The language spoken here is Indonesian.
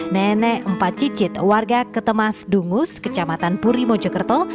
nenek empat cicit warga ketemas dungus kecamatan puri mojokerto